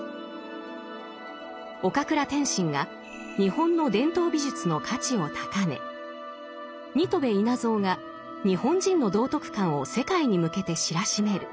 岡倉天心が日本の伝統美術の価値を高め新渡戸稲造が日本人の道徳観を世界に向けて知らしめる。